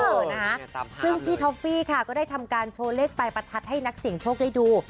เออนะคะซึ่งพี่ท็อฟฟี่ค่ะก็ได้ทำการโชว์เลขปลายประทัดให้นักเสี่ยงโชคได้ดู